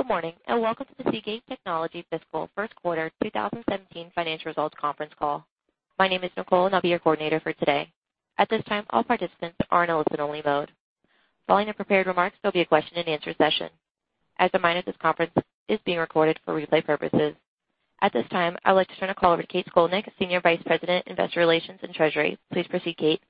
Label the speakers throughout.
Speaker 1: Good morning. Welcome to the Seagate Technology fiscal first quarter 2017 financial results conference call. My name is Nicole, and I'll be your coordinator for today. At this time, all participants are in a listen-only mode. Following the prepared remarks, there'll be a question-and-answer session. As a reminder, this conference is being recorded for replay purposes. At this time, I would like to turn the call over to Kate Scolnick, Senior Vice President, Investor Relations and Treasury. Please proceed, Kate.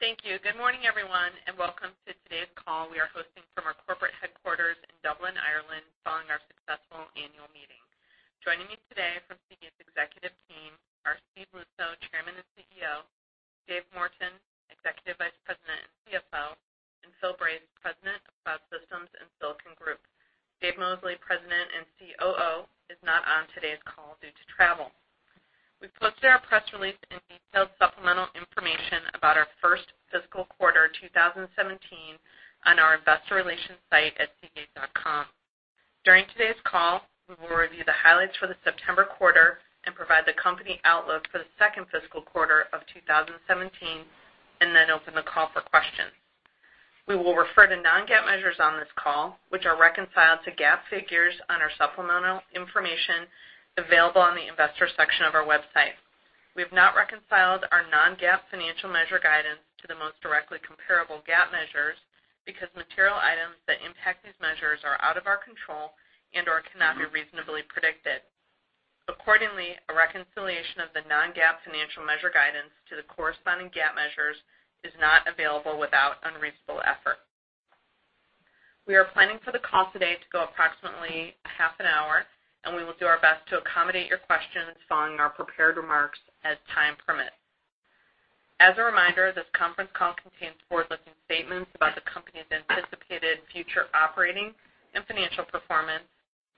Speaker 2: Thank you. Good morning, everyone. Welcome to today's call we are hosting from our corporate headquarters in Dublin, Ireland, following our successful annual meeting. Joining me today from Seagate's executive team are Steve Luczo, Chairman and CEO, Dave Morton, Executive Vice President and CFO, and Phil Brace, President of Cloud Systems and Silicon Group. Dave Mosley, President and COO, is not on today's call due to travel. We've posted our press release and detailed supplemental information about our first fiscal quarter 2017 on our investor relations site at seagate.com. During today's call, we will review the highlights for the September quarter and provide the company outlook for the second fiscal quarter of 2017. Then open the call for questions. We will refer to non-GAAP measures on this call, which are reconciled to GAAP figures on our supplemental information available on the investor section of our website. We have not reconciled our non-GAAP financial measure guidance to the most directly comparable GAAP measures because material items that impact these measures are out of our control and/or cannot be reasonably predicted. Accordingly, a reconciliation of the non-GAAP financial measure guidance to the corresponding GAAP measures is not available without unreasonable effort. We are planning for the call today to go approximately a half an hour. We will do our best to accommodate your questions following our prepared remarks as time permits. As a reminder, this conference call contains forward-looking statements about the company's anticipated future operating and financial performance,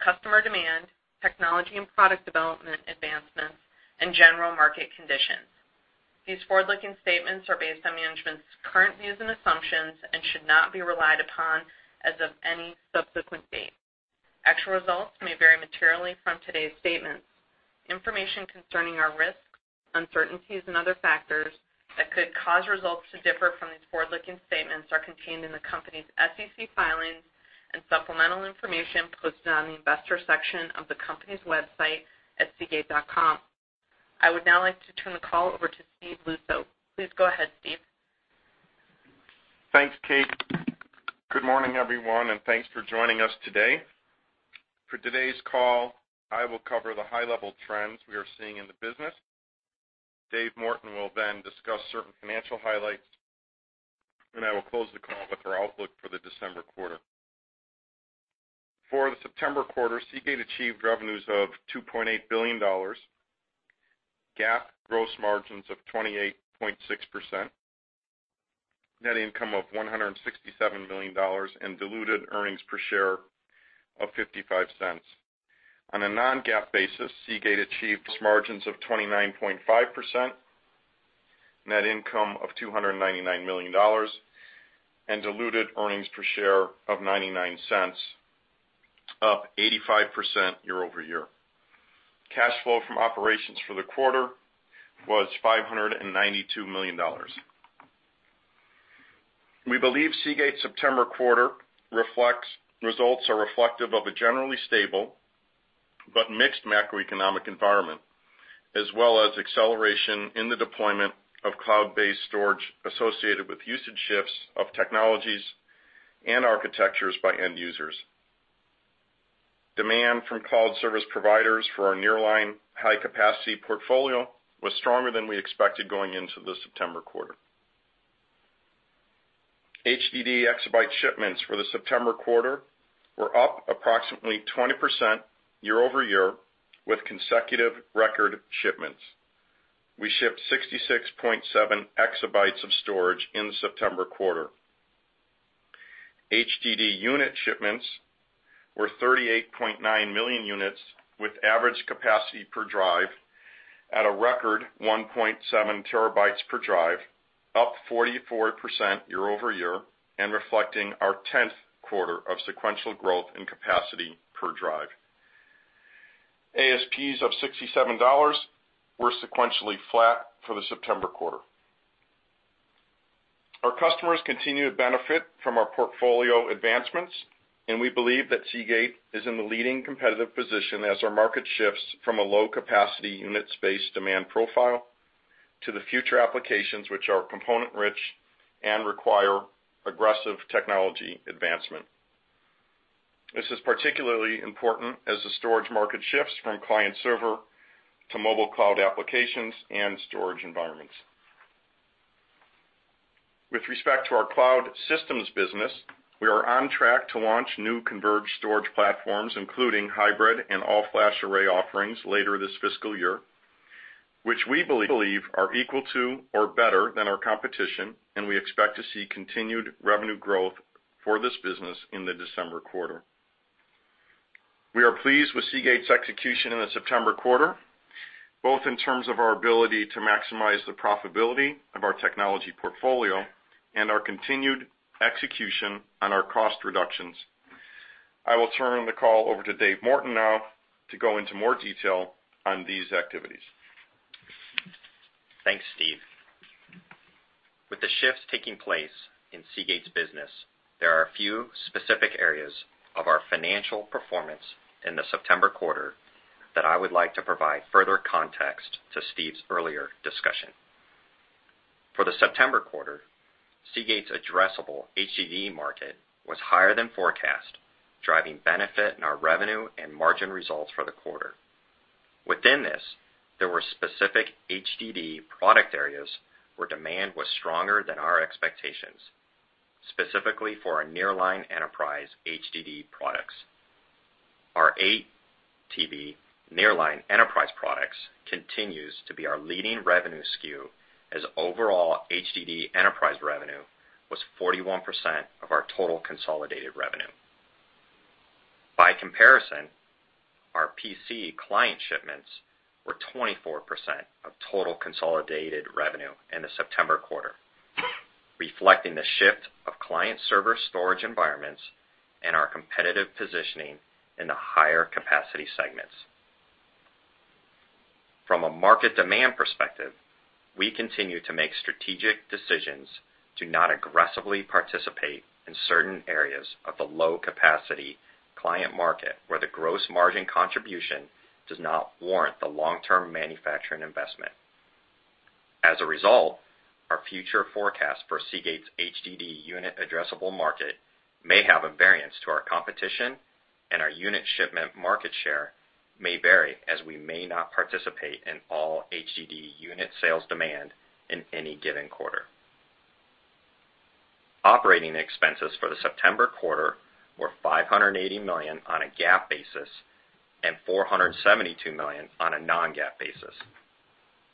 Speaker 2: customer demand, technology and product development advancements, general market conditions. These forward-looking statements are based on management's current views and assumptions and should not be relied upon as of any subsequent date. Actual results may vary materially from today's statements. Information concerning our risks, uncertainties, and other factors that could cause results to differ from these forward-looking statements are contained in the company's SEC filings and supplemental information posted on the investor section of the company's website at seagate.com. I would now like to turn the call over to Steve Luczo. Please go ahead, Steve.
Speaker 3: Thanks, Kate. Good morning, everyone, and thanks for joining us today. For today's call, I will cover the high-level trends we are seeing in the business. Dave Morton will then discuss certain financial highlights, and I will close the call with our outlook for the December quarter. For the September quarter, Seagate achieved revenues of $2.8 billion, GAAP gross margins of 28.6%, net income of $167 million, and diluted earnings per share of $0.55. On a non-GAAP basis, Seagate achieved gross margins of 29.5%, net income of $299 million, and diluted earnings per share of $0.99, up 85% year over year. Cash flow from operations for the quarter was $592 million. We believe Seagate September quarter results are reflective of a generally stable but mixed macroeconomic environment, as well as acceleration in the deployment of cloud-based storage associated with usage shifts of technologies and architectures by end users. Demand from cloud service providers for our nearline high-capacity portfolio was stronger than we expected going into the September quarter. HDD exabyte shipments for the September quarter were up approximately 20% year over year with consecutive record shipments. We shipped 66.7 exabytes of storage in the September quarter. HDD unit shipments were 38.9 million units, with average capacity per drive at a record 1.7 terabytes per drive, up 44% year over year and reflecting our 10th quarter of sequential growth in capacity per drive. ASPs of $67 were sequentially flat for the September quarter. Our customers continue to benefit from our portfolio advancements, and we believe that Seagate is in the leading competitive position as our market shifts from a low-capacity unit space demand profile to the future applications which are component-rich and require aggressive technology advancement. This is particularly important as the storage market shifts from client server to mobile cloud applications and storage environments. With respect to our cloud systems business, we are on track to launch new converged storage platforms, including hybrid and all-flash array offerings later this fiscal year, which we believe are equal to or better than our competition, and we expect to see continued revenue growth for this business in the December quarter. We are pleased with Seagate's execution in the September quarter, both in terms of our ability to maximize the profitability of our technology portfolio and our continued execution on our cost reductions. I will turn the call over to Dave Morton now to go into more detail on these activities.
Speaker 4: Thanks, Steve. With the shifts taking place in Seagate's business, there are a few specific areas of our financial performance in the September quarter that I would like to provide further context to Steve's earlier discussion. For the September quarter, Seagate's addressable HDD market was higher than forecast, driving benefit in our revenue and margin results for the quarter. Within this, there were specific HDD product areas where demand was stronger than our expectations, specifically for our nearline enterprise HDD products. Our 8 TB nearline enterprise products continues to be our leading revenue SKU, as overall HDD enterprise revenue was 41% of our total consolidated revenue. By comparison, our PC client shipments were 24% of total consolidated revenue in the September quarter, reflecting the shift of client server storage environments and our competitive positioning in the higher capacity segments. From a market demand perspective, we continue to make strategic decisions to not aggressively participate in certain areas of the low capacity client market where the gross margin contribution does not warrant the long-term manufacturing investment. As a result, our future forecast for Seagate's HDD unit addressable market may have a variance to our competition, and our unit shipment market share may vary as we may not participate in all HDD unit sales demand in any given quarter. Operating expenses for the September quarter were $580 million on a GAAP basis and $472 million on a non-GAAP basis.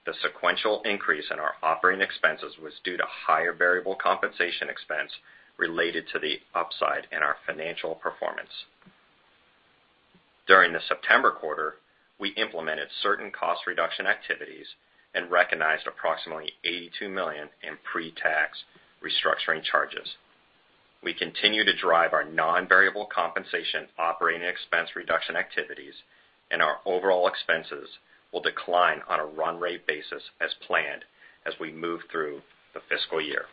Speaker 4: The sequential increase in our operating expenses was due to higher variable compensation expense related to the upside in our financial performance. During the September quarter, we implemented certain cost reduction activities and recognized approximately $82 million in pre-tax restructuring charges. We continue to drive our non-variable compensation operating expense reduction activities, and our overall expenses will decline on a run rate basis as planned as we move through the fiscal year.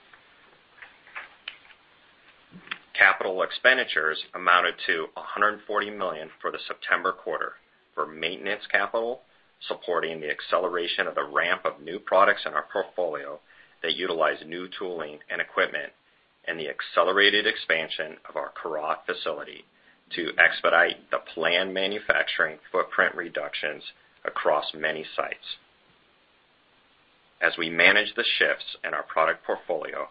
Speaker 4: Capital expenditures amounted to $140 million for the September quarter for maintenance capital, supporting the acceleration of the ramp of new products in our portfolio that utilize new tooling and equipment, and the accelerated expansion of our Korat facility to expedite the planned manufacturing footprint reductions across many sites. As we manage the shifts in our product portfolio,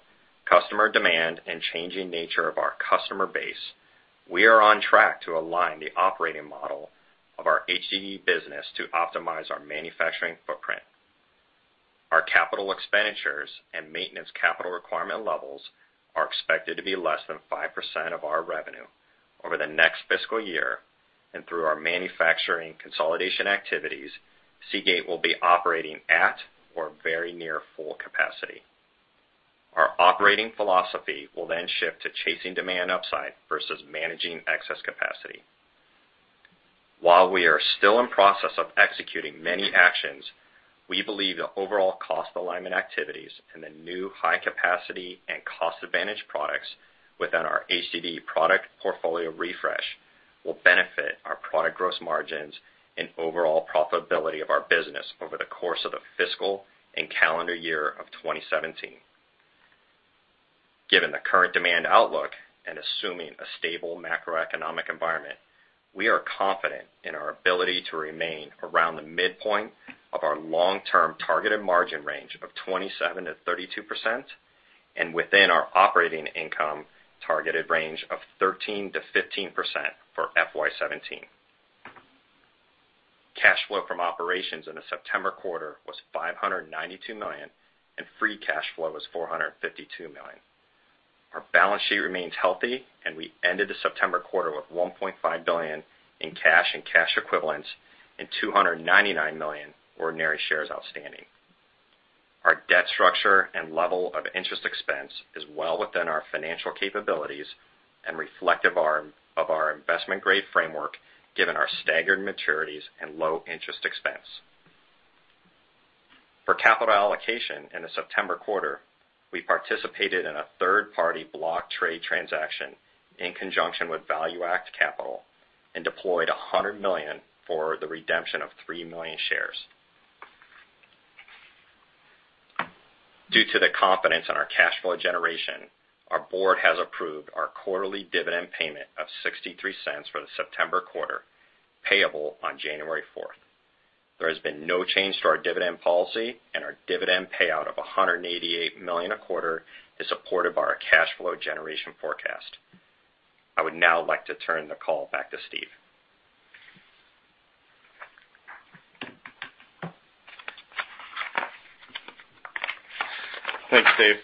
Speaker 4: customer demand, and changing nature of our customer base, we are on track to align the operating model of our HDD business to optimize our manufacturing footprint. Our capital expenditures and maintenance capital requirement levels are expected to be less than 5% of our revenue over the next fiscal year. Through our manufacturing consolidation activities, Seagate will be operating at or very near full capacity. Our operating philosophy will then shift to chasing demand upside versus managing excess capacity. While we are still in process of executing many actions, we believe the overall cost alignment activities and the new high capacity and cost advantage products within our HDD product portfolio refresh will benefit our product gross margins and overall profitability of our business over the course of the fiscal and calendar year of 2017. Given the current demand outlook and assuming a stable macroeconomic environment, we are confident in our ability to remain around the midpoint of our long-term targeted margin range of 27%-32%, and within our operating income targeted range of 13%-15% for FY 2017. Cash flow from operations in the September quarter was $592 million, and free cash flow was $452 million. Our balance sheet remains healthy, we ended the September quarter with $1.5 billion in cash and cash equivalents and 299 million ordinary shares outstanding. Our debt structure and level of interest expense is well within our financial capabilities and reflective of our investment-grade framework, given our staggered maturities and low interest expense. For capital allocation in the September quarter, we participated in a third-party block trade transaction in conjunction with ValueAct Capital and deployed $100 million for the redemption of 3 million shares. Due to the confidence in our cash flow generation, our board has approved our quarterly dividend payment of $0.63 for the September quarter, payable on January 4th. There has been no change to our dividend policy, our dividend payout of $188 million a quarter is supportive of our cash flow generation forecast. I would now like to turn the call back to Steve.
Speaker 3: Thanks, Dave.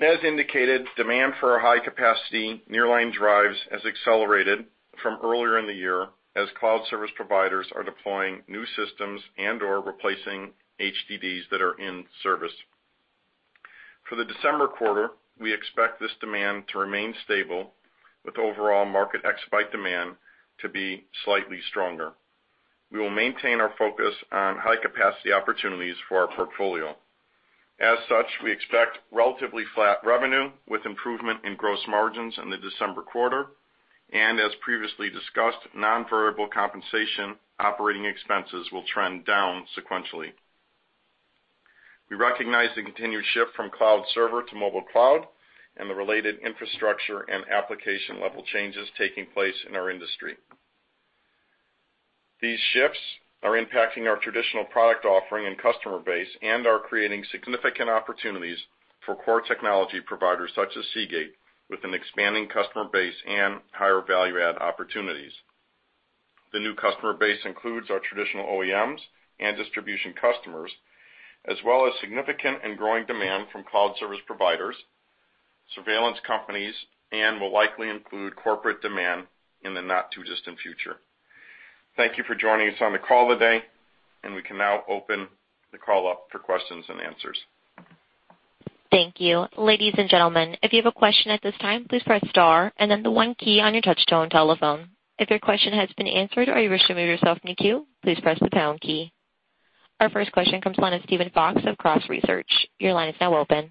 Speaker 3: As indicated, demand for our high-capacity nearline drives has accelerated from earlier in the year as cloud service providers are deploying new systems and/or replacing HDDs that are in service. For the December quarter, we expect this demand to remain stable with overall market exabyte demand to be slightly stronger. We will maintain our focus on high-capacity opportunities for our portfolio. As such, we expect relatively flat revenue with improvement in gross margins in the December quarter, and as previously discussed, non-variable compensation operating expenses will trend down sequentially. We recognize the continued shift from cloud server to mobile cloud and the related infrastructure and application-level changes taking place in our industry. These shifts are impacting our traditional product offering and customer base and are creating significant opportunities for core technology providers such as Seagate, with an expanding customer base and higher value-add opportunities. The new customer base includes our traditional OEMs and distribution customers, as well as significant and growing demand from cloud service providers, surveillance companies, and will likely include corporate demand in the not-too-distant future. Thank you for joining us on the call today. We can now open the call up for questions and answers.
Speaker 1: Thank you. Ladies and gentlemen, if you have a question at this time, please press star and then the one key on your touch-tone telephone. If your question has been answered or you wish to remove yourself from the queue, please press the pound key. Our first question comes from Steven Fox of Cross Research. Your line is now open.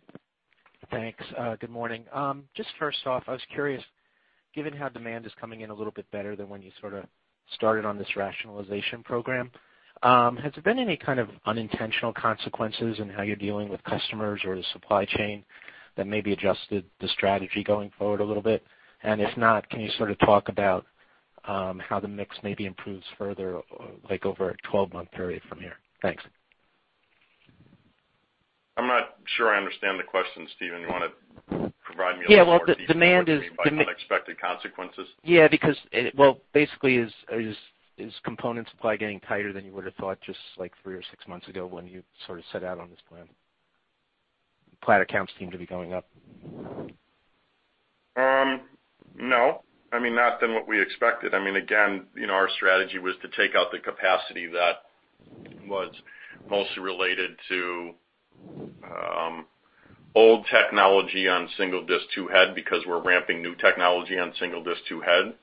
Speaker 5: Thanks. Good morning. Just first off, I was curious, given how demand is coming in a little bit better than when you sort of started on this rationalization program, has there been any kind of unintentional consequences in how you're dealing with customers or the supply chain that maybe adjusted the strategy going forward a little bit? If not, can you sort of talk about how the mix maybe improves further over a 12-month period from here? Thanks.
Speaker 3: I'm not sure I understand the question, Steven. You want to provide me a little more detail.
Speaker 5: Yeah, well, the demand is.
Speaker 3: What do you mean by unexpected consequences?
Speaker 5: Yeah, well, basically is component supply getting tighter than you would've thought just like three or six months ago when you sort of set out on this plan? Plant accounts seem to be going up.
Speaker 3: No. I mean, not than what we expected. Our strategy was to take out the capacity that was mostly related to old technology on single disk two head because we're ramping new technology on single disk two head.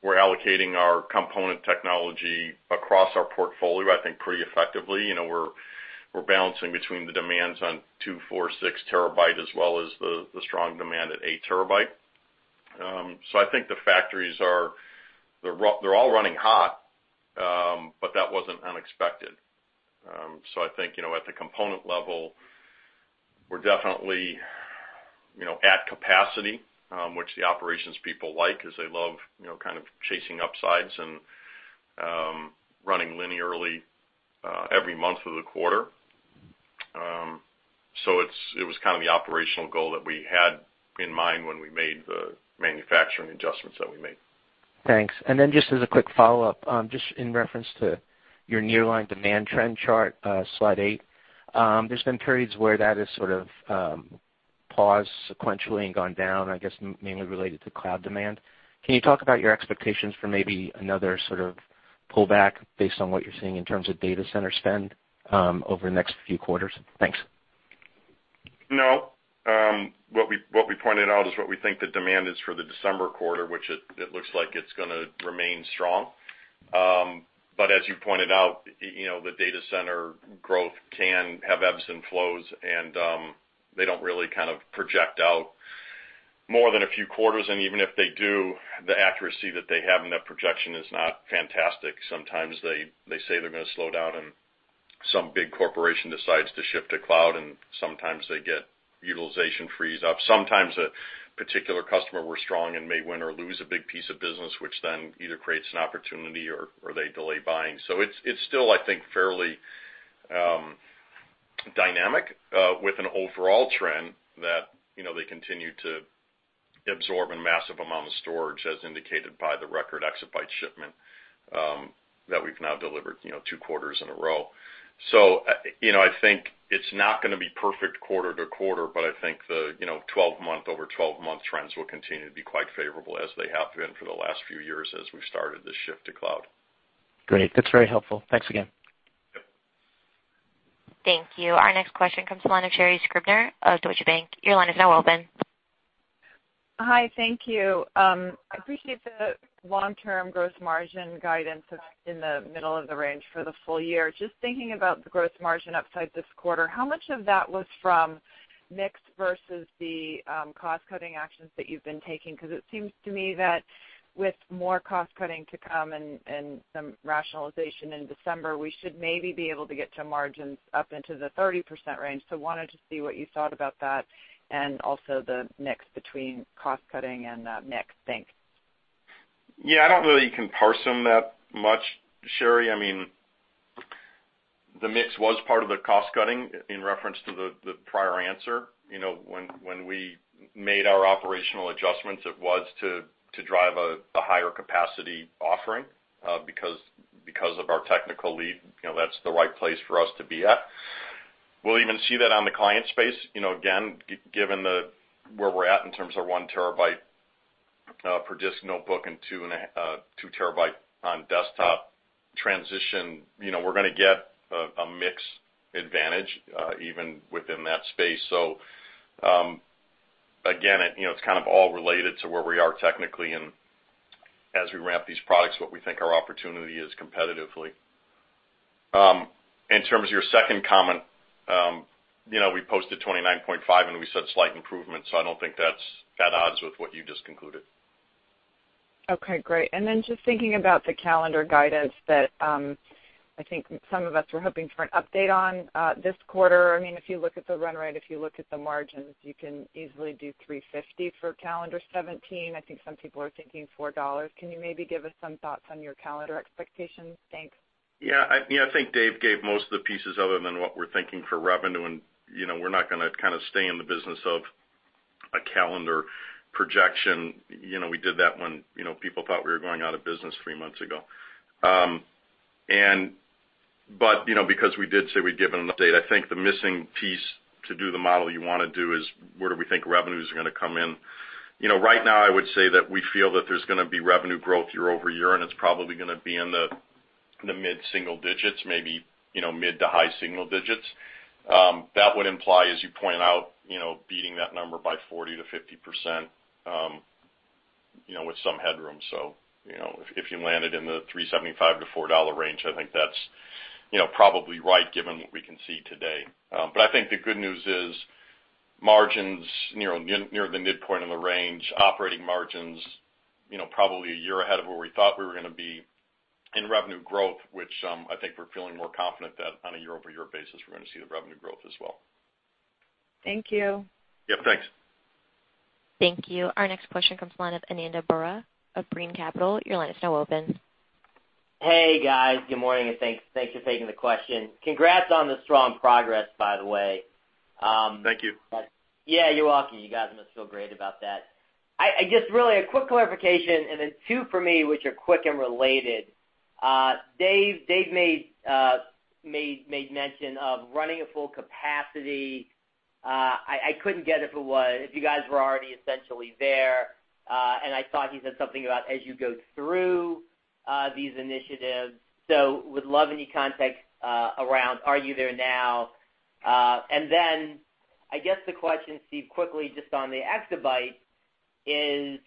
Speaker 3: We're allocating our component technology across our portfolio, I think pretty effectively. We're balancing between the demands on two, four, six terabyte as well as the strong demand at eight terabyte. I think the factories are all running hot, but that wasn't unexpected. I think, at the component level, we're definitely at capacity, which the operations people like, as they love kind of chasing upsides and running linearly every month of the quarter. It was kind of the operational goal that we had in mind when we made the manufacturing adjustments that we made.
Speaker 5: Thanks. Just as a quick follow-up, just in reference to your nearline demand trend chart, slide eight, there's been periods where that has sort of paused sequentially and gone down, I guess mainly related to cloud demand. Can you talk about your expectations for maybe another sort of pullback based on what you're seeing in terms of data center spend over the next few quarters? Thanks.
Speaker 3: No. What we pointed out is what we think the demand is for the December quarter, which it looks like it's going to remain strong. As you pointed out, the data center growth can have ebbs and flows, they don't really kind of project out more than a few quarters, even if they do, the accuracy that they have in that projection is not fantastic. Sometimes they say they're going to slow down, some big corporation decides to shift to cloud, sometimes they get utilization frees up. Sometimes a particular customer we're strong in may win or lose a big piece of business, which either creates an opportunity or they delay buying. It's still, I think, fairly dynamic, with an overall trend that they continue to absorb a massive amount of storage, as indicated by the record exabyte shipment that we've now delivered two quarters in a row. I think it's not going to be perfect quarter to quarter, but I think the over 12-month trends will continue to be quite favorable as they have been for the last few years as we've started this shift to cloud.
Speaker 5: Great. That's very helpful. Thanks again.
Speaker 3: Yep.
Speaker 1: Thank you. Our next question comes the line of Sherri Scribner of Deutsche Bank. Your line is now open.
Speaker 6: Hi, thank you. I appreciate the long-term gross margin guidance that's in the middle of the range for the full year. Just thinking about the gross margin upside this quarter, how much of that was from mix versus the cost-cutting actions that you've been taking? Because it seems to me that with more cost-cutting to come and some rationalization in December, we should maybe be able to get to margins up into the 30% range. I wanted to see what you thought about that and also the mix between cost-cutting and mix. Thanks.
Speaker 3: Yeah, I don't know that you can parse them that much, Sherri. The mix was part of the cost-cutting in reference to the prior answer. When we made our operational adjustments, it was to drive a higher capacity offering, because of our technical lead, that's the right place for us to be at. We'll even see that on the client space. Again, given where we're at in terms of one terabyte for disk notebook and two terabyte on desktop transition, we're going to get a mix advantage even within that space. Again, it's all related to where we are technically and as we ramp these products, what we think our opportunity is competitively. In terms of your second comment, we posted 29.5%, and we said slight improvement, so I don't think that's at odds with what you just concluded.
Speaker 6: Okay, great. Just thinking about the calendar guidance that I think some of us were hoping for an update on this quarter. If you look at the run rate, if you look at the margins, you can easily do $3.50 for calendar 2017. I think some people are thinking $4. Can you maybe give us some thoughts on your calendar expectations? Thanks.
Speaker 3: Yeah. I think Dave gave most of the pieces other than what we're thinking for revenue. We're not going to stay in the business of a calendar projection. We did that when people thought we were going out of business three months ago. Because we did say we'd give an update, I think the missing piece to do the model you want to do is where do we think revenues are going to come in? Right now, I would say that we feel that there's going to be revenue growth year-over-year, and it's probably going to be in the mid-single digits, maybe mid-to high single digits. That would imply, as you pointed out, beating that number by 40%-50% with some headroom. If you landed in the $3.75-$4 range, I think that's probably right given what we can see today. I think the good news is margins near the midpoint of the range, operating margins probably a year ahead of where we thought we were going to be in revenue growth, which I think we're feeling more confident that on a year-over-year basis, we're going to see the revenue growth as well.
Speaker 6: Thank you.
Speaker 3: Yeah, thanks.
Speaker 1: Thank you. Our next question comes the line of Ananda Baruah of Loop Capital. Your line is now open.
Speaker 7: Hey, guys. Good morning, and thanks for taking the question. Congrats on the strong progress, by the way.
Speaker 3: Thank you.
Speaker 7: Yeah, you're welcome. You guys must feel great about that. Just really a quick clarification and then two for me, which are quick and related. Dave made mention of running at full capacity. I couldn't get if you guys were already essentially there, and I thought you said something about as you go through these initiatives. Would love any context around are you there now? I guess the question, Steve, quickly just on the exabyte is,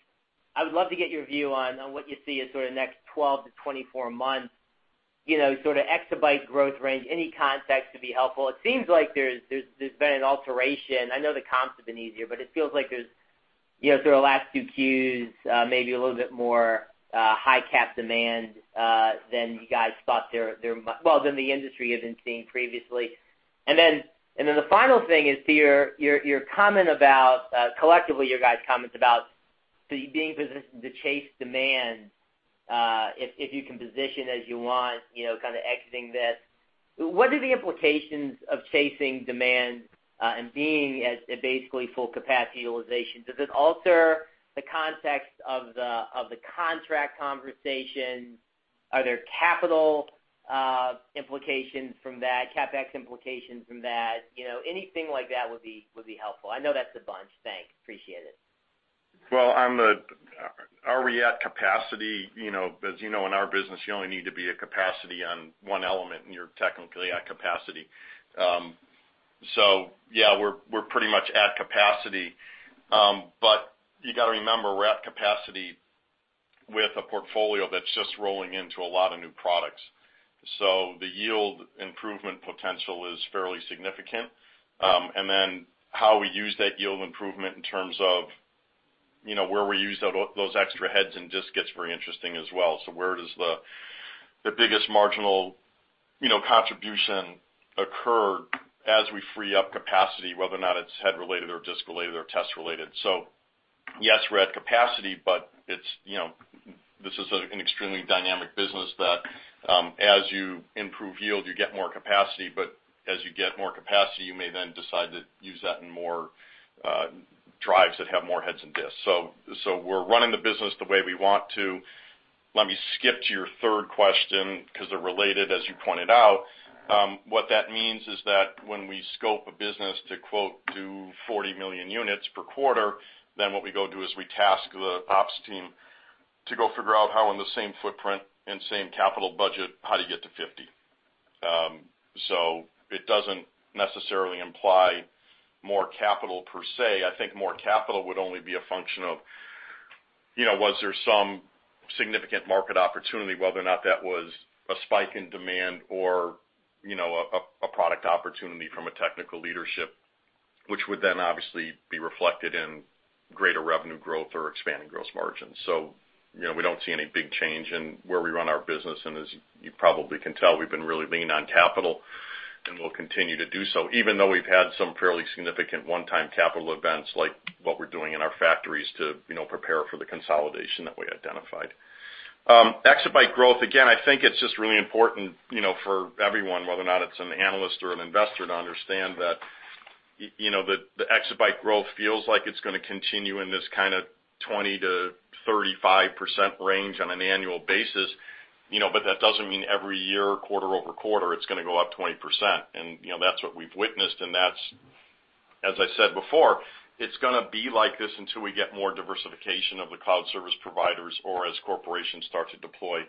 Speaker 7: I would love to get your view on what you see as sort of next 12 to 24 months, sort of exabyte growth range. Any context would be helpful. It seems like there's been an alteration. I know the comps have been easier, but it feels like there's, through the last 2 Qs, maybe a little bit more high-cap demand than the industry has been seeing previously. The final thing is your comment about, collectively, you guys' comments about being positioned to chase demand, if you can position as you want, exiting this. What are the implications of chasing demand and being at basically full capacity utilization? Does this alter the context of the contract conversations? Are there capital implications from that, CapEx implications from that? Anything like that would be helpful. I know that's a bunch. Thanks, appreciate it.
Speaker 3: Well, on the are we at capacity, as you know, in our business, you only need to be at capacity on one element, and you're technically at capacity. Yeah, we're pretty much at capacity. You got to remember, we're at capacity with a portfolio that's just rolling into a lot of new products. The yield improvement potential is fairly significant. How we use that yield improvement in terms of where we use those extra heads and disks gets very interesting as well. Where does the biggest marginal contribution occur as we free up capacity, whether or not it's head-related or disk-related or test-related. Yes, we're at capacity, but this is an extremely dynamic business that as you improve yield, you get more capacity, but as you get more capacity, you may then decide to use that in more drives that have more heads and disks. We're running the business the way we want to. Let me skip to your third question because they're related, as you pointed out. What that means is that when we scope a business to quote do 40 million units per quarter, what we go do is we task the ops team to go figure out how in the same footprint and same capital budget, how do you get to 50? It doesn't necessarily imply more capital per se. I think more capital would only be a function of was there some significant market opportunity, whether or not that was a spike in demand or a product opportunity from a technical leadership, which would then obviously be reflected in greater revenue growth or expanding gross margins. We don't see any big change in where we run our business, and as you probably can tell, we've been really lean on capital, and we'll continue to do so, even though we've had some fairly significant one-time capital events like what we're doing in our factories to prepare for the consolidation that we identified. Exabyte growth, again, I think it's just really important for everyone, whether or not it's an analyst or an investor, to understand that the exabyte growth feels like it's going to continue in this kind of 20%-35% range on an annual basis, but that doesn't mean every year, quarter-over-quarter, it's going to go up 20%. That's what we've witnessed, as I said before, it's going to be like this until we get more diversification of the cloud service providers, or as corporations start to deploy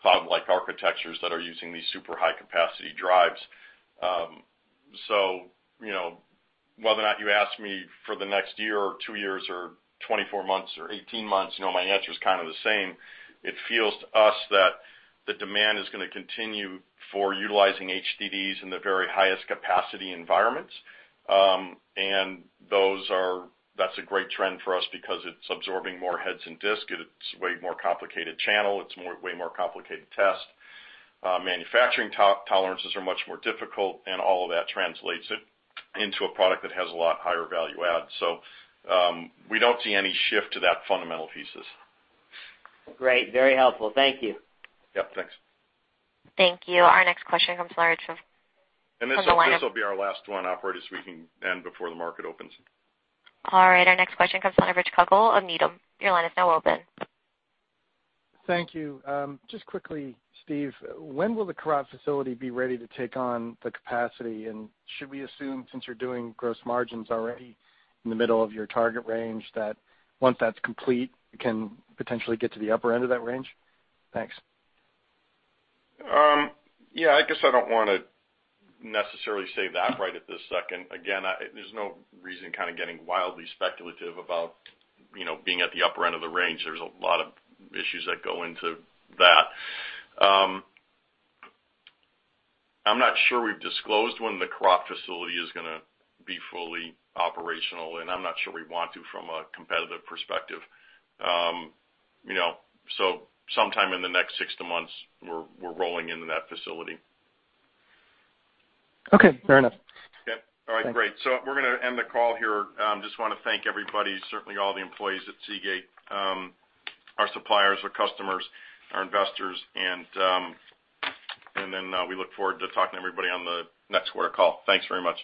Speaker 3: cloud-like architectures that are using these super high-capacity drives. Whether or not you ask me for the next year, or two years, or 24 months, or 18 months, my answer is kind of the same. It feels to us that the demand is going to continue for utilizing HDDs in the very highest capacity environments. That's a great trend for us because it's absorbing more heads and disk, it's a way more complicated channel, it's a way more complicated test. Manufacturing tolerances are much more difficult, and all of that translates into a product that has a lot higher value add. We don't see any shift to that fundamental thesis.
Speaker 7: Great. Very helpful. Thank you.
Speaker 3: Yep, thanks.
Speaker 1: Thank you. Our next question comes from the line of-
Speaker 3: This will be our last one, operator, so we can end before the market opens.
Speaker 1: All right, our next question comes from Rich Kugele of Needham. Your line is now open.
Speaker 8: Thank you. Just quickly, Steve, when will the Korat facility be ready to take on the capacity? Should we assume, since you're doing gross margins already in the middle of your target range, that once that's complete, it can potentially get to the upper end of that range? Thanks.
Speaker 3: Yeah, I guess I don't want to necessarily say that right at this second. Again, there's no reason kind of getting wildly speculative about being at the upper end of the range. There's a lot of issues that go into that. I'm not sure we've disclosed when the Korat facility is going to be fully operational, and I'm not sure we want to from a competitive perspective. Sometime in the next six months, we're rolling into that facility.
Speaker 8: Okay, fair enough.
Speaker 3: Okay. All right, great. We're going to end the call here. Just want to thank everybody, certainly all the employees at Seagate, our suppliers, our customers, our investors, we look forward to talking to everybody on the next quarter call. Thanks very much.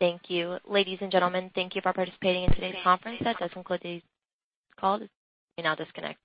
Speaker 1: Thank you. Ladies and gentlemen, thank you for participating in today's conference. That does conclude this call. You may now disconnect.